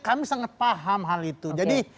kami sangat paham hal itu jadi